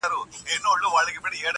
شیرني نه ده دا زهر دي پلارجانه,